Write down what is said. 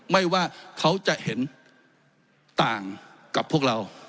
ไม่ว่าเขาจะเห็นต่างกับพวกเรา